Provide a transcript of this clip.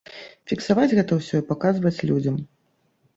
Фіксаваць гэта ўсё і паказваць людзям.